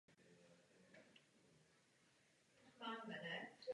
Byl profesorem Moskevské univerzity.